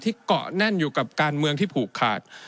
เกาะแน่นอยู่กับการเมืองที่ผูกขาด